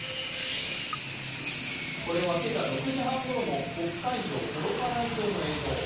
これは今朝６時半ごろの北海道幌加内町の映像。